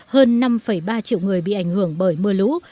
hơn năm ba triệu người bị ảnh hưởng bởi mưa lũ